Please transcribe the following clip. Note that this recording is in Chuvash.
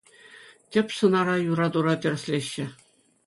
Тӗп сӑнара юратура тӗрӗслеҫҫӗ...